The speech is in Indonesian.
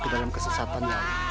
ke dalam kesesatan